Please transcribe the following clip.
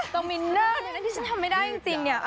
ต้องมีเนิ่นน่ะที่ฉันทำไม่ได้จริงเนี่ย